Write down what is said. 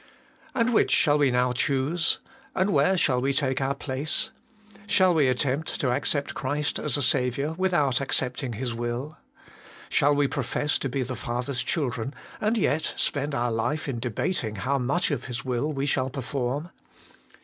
And which shall we now choose ? And where shall we take our place ? Shall we attempt to accept Christ as a Saviour without accepting His will ? Shall we profess to be the Father's children, and yet spend our life in debating how much of His will we shall perform